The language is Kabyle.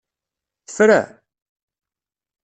Tefra?